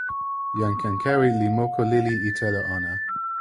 jan Ankewi li moku lili e telo ona.